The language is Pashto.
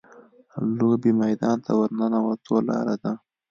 لوبې میدان ورننوتو لاره ده.